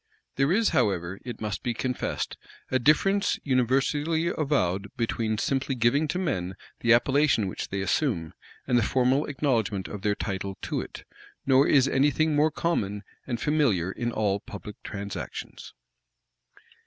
There is, however, it must be confessed, a difference universally avowed between simply giving to men the appellation which they assume, and the formal acknowledgment of their title to it; nor is any thing more common and familiar in all public transactions.